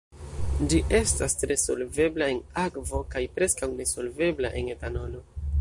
Ĝi estas tre solvebla en akvo kaj preskaŭ nesolvebla en etanolo.